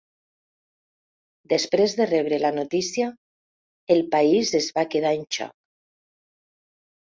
Després de rebre la notícia, el país es va quedar en xoc.